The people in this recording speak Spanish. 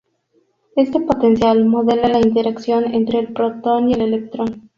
Este potencial modela la interacción entre el protón y el electrón.